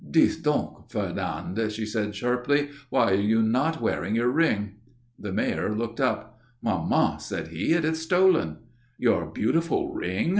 "Dis donc, Fernand," she said sharply. "Why are you not wearing your ring?" The Mayor looked up. "Maman," said he, "it is stolen." "Your beautiful ring?"